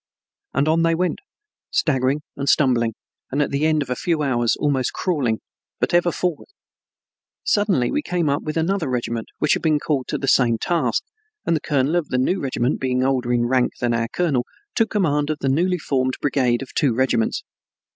And on they went, staggering and stumbling, and at the end of a few hours almost crawling, but ever forward. Suddenly we came up with another regiment which had been called to the same task, and the colonel of the new regiment, being older in rank than our colonel, took command of the newly formed brigade of two regiments.